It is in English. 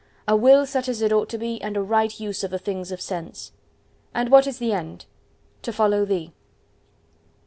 "A will such as it ought to be, and a right use of the things of sense." "And what is the end?" "To follow Thee!"